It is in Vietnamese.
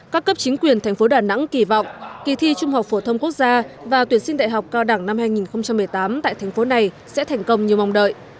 các cấp chính quyền thành phố đà nẵng kỳ vọng kỳ thi trung học phổ thông quốc gia và tuyển sinh đại học cao đẳng năm hai nghìn một mươi tám tại thành phố này sẽ thành công như mong đợi